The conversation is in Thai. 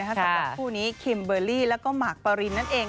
สำหรับคู่นี้คิมเบอร์รี่แล้วก็หมากปรินนั่นเอง